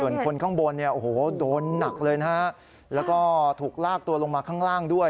ส่วนคนข้างบนเนี่ยโอ้โหโดนหนักเลยนะฮะแล้วก็ถูกลากตัวลงมาข้างล่างด้วย